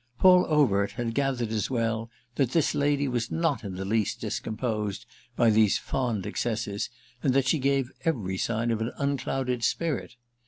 Paul Overt had gathered as well that this lady was not in the least discomposed by these fond excesses and that she gave every sign of an unclouded spirit.